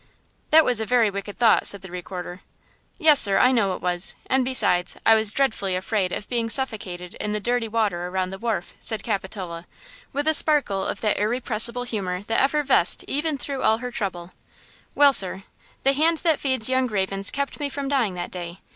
"That was a very wicked thought," said the Recorder. "Yes, sir, I know it was, and, besides, I was dreadfully afraid of being suffocated in the dirty water around the wharf!" said Capitola, with a sparkle of that irrepressible humor that effervesced even through all her trouble. "Well, sir, the hand that feeds young ravens kept me from dying that day.